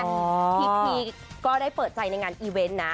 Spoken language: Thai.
พี่พีก็ได้เปิดใจในงานอีเวนต์นะ